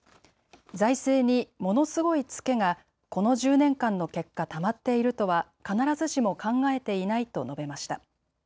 財政にものすごい付けがこの１０年間の結果たまっているとは必ずしも考えていないと述べました。